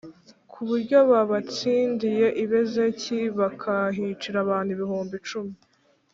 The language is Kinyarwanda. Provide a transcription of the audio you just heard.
ku buryo babatsindiye i Bezeki bakahicira abantu ibihumbi icumi.